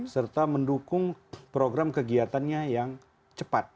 serta mendukung program kegiatannya yang cepat